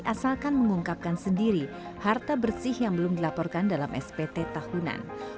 asalkan mengungkapkan sendiri harta bersih yang belum dilaporkan dalam spt tahunan